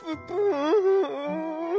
うん？